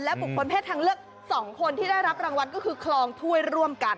บุคคลเพศทางเลือก๒คนที่ได้รับรางวัลก็คือคลองถ้วยร่วมกัน